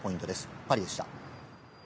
パリでした。